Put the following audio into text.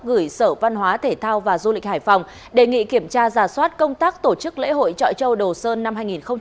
gửi sở văn hóa thể thao và du lịch hải phòng đề nghị kiểm tra giả soát công tác tổ chức lễ hội trọi châu đồ sơn năm hai nghìn hai mươi